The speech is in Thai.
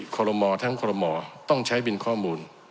คลมทางคลมต้องใช้เป็นข้อมูล